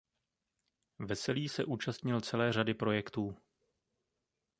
Veselý se účastnil celé řady projektů.